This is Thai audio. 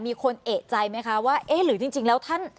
มีคนเอกใจไหมคะว่าเอ๊ะหรือจริงแล้วท่าน